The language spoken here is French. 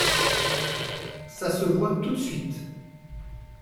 Ca ce voit tout de suite.